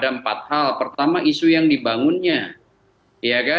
ada empat hal pertama isu yang dibangunnya